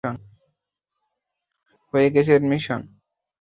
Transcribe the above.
হয়ে গেছে এডমিশন?